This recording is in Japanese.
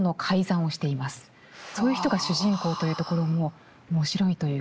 そういう人が主人公というところも面白いというか。